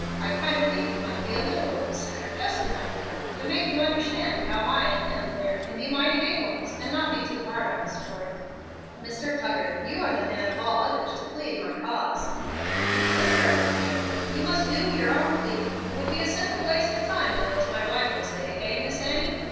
I kinder think you might be a little bit of a sinner just enough, you know, to make you understand how I and him there can be mighty big ones, and not be too hard on us for it." "Mr. Tuggar, you are the man of all others to plead my cause." "Now look here, young gentleman, you must do yer own pleadin'. It would be a 'sinful waste of time' though, as my wife would say eh, Miss Annie?